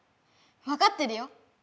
わかってるよ。